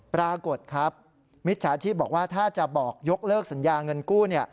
ปรากฏครับมิจฉาชีพบอกว่าถ้าจะบอกยกเลิกสัญญาเงินกู้